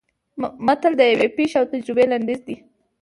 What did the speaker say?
متل د یوې پېښې او تجربې لنډیز دی